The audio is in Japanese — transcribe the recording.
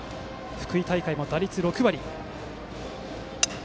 福井大会も打率６割。